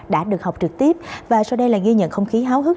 đã được học trực tiếp và sau đây là ghi nhận không khí háo hức